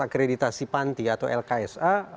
akreditasi panti atau lksa